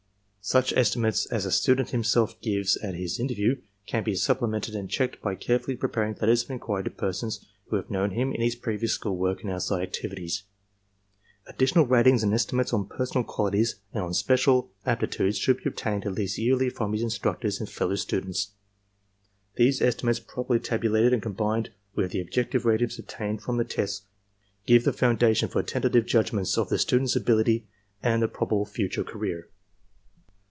Such estimates as the student himself gives at this interview can be supplemented and checked by carefully prepared letters of inquiry to persons who have known him in his previous school work and outside activities. Addi tional ratings and estimates on personal qualities and on special TESTS IN STXJDENTS' ARMY TRAINING CORPS 181 aptitudes should be obtained at least yearly from his instructors and fellow students. These estimates properly tabulated and combined with the objective ratings obtained from the tests give the foundation for tentative judgments of the student's ability and probable future career.